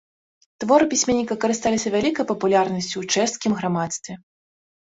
Творы пісьменніка карысталіся вялікай папулярнасцю ў чэшскім грамадстве.